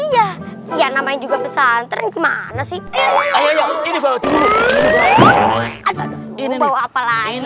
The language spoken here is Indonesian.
iya iya namanya juga pesantren gimana sih ini bawa apalagi ini